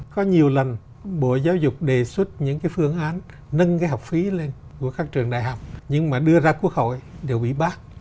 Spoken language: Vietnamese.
có nhiều lần bộ giáo dục đề xuất những cái phương án nâng cái học phí lên của các trường đại học nhưng mà đưa ra quốc hội đều bị bác